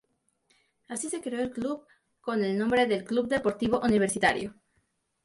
Así se creó el club con el nombre de Club Deportivo Universitario.